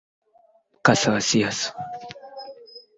wakati Amerika ya Kusini ya leo na Afrika